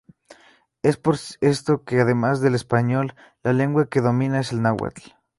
Es por esto, que además del español la lengua que domina es el náhuatl.